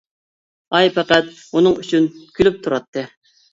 ئاي پەقەت ئۇنىڭ ئۈچۈن كۈلۈپ تۇراتتى.